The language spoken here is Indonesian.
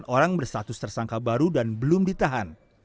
dua puluh delapan orang bersatus tersangka baru dan belum ditahan